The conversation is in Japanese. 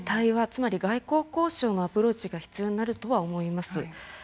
つまり外交交渉のアプローチが必要になるとは思います。